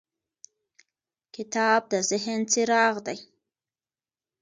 کتاب د ذهن څراغ دی.